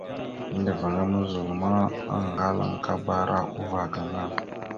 Endəveŋá muzol ma, aŋgalaŋkabara uvah gaŋa.